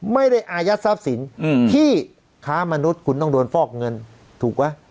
ไม่ได้อายัดทรัพย์สินที่ค้ามนุษย์คุณต้องโดนฟอกเงินถูกไหม